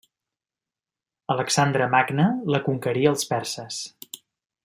Alexandre Magne la conquerí als perses.